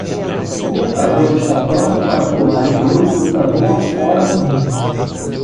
Um lutador está pronto para pular em outro lutador fora do ringue.